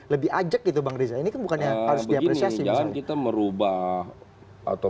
lebih ajak gitu bang riza ini kan bukannya harus diapresiasi justru kita merubah atau